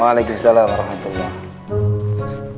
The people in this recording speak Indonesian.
waalaikumsalam warahmatullahi wabarakatuh